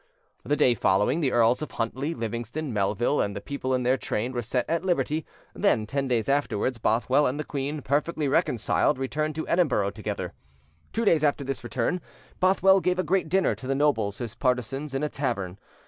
The day following, the Earls of Huntly, Livingston, Melville, and the people in their train were set at liberty; then, ten days afterwards, Bothwell and the queen, perfectly reconciled, returned to Edinburgh together. Two days after this return, Bothwell gave a great dinner to the nobles his partisans in a tavern.